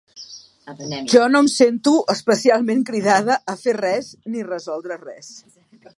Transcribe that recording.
Jo no em sento especialment cridada a fer res ni resoldre res.